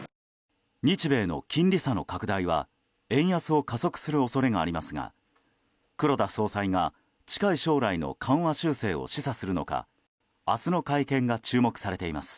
日米の金利差の拡大は円安を加速する恐れがありますが黒田総裁が近い将来の緩和修正を示唆するのか明日の会見が注目されています。